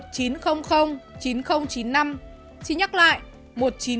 chỉ nhắc lại một nghìn chín trăm linh chín nghìn chín mươi năm